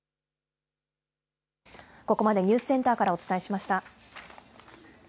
ここまでニュースセンターからお伝えしました。